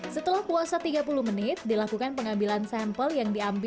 setelah puasa tiga puluh menit dilakukan pengambilan sampel yang diambil